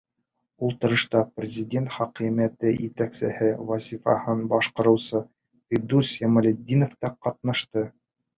Ултырышта Президент Хакимиәте етәксеһе вазифаһын башҡарыусы Фидус Ямалетдинов та ҡатнашты.